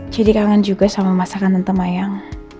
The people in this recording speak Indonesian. jadi kangen juga sama masakan tante mayang